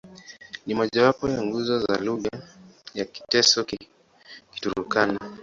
Ni mmojawapo wa nguzo ya lugha za Kiteso-Kiturkana.